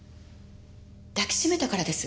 抱きしめたからです。